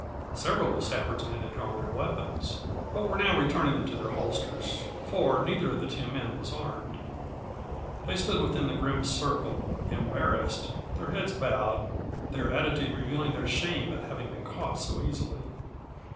Several of Stafford's men had drawn their weapons, but were now returning them to their holsters, for neither of the two men was armed. They stood within the grim circle, embarrassed, their heads bowed, their attitude revealing their shame at having been caught so easily.